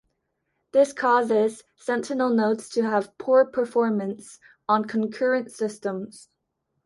This causes sentinel nodes to have poor performance on concurrent systems.